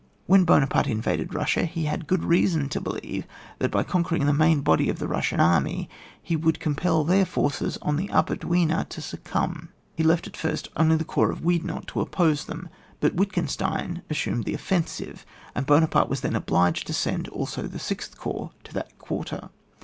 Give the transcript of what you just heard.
When Buonaparte invaded Bussia, he had good reason to believe that by con quering the main body of the Bussian army he would compel their forces on the Upper Dwina to succumb. He left at first only the corps of Oudinot to oppose them,, but Wittgenstein assumed the of fensive, and Buonaparte was then obliged to send also the sixth corps to that quarter.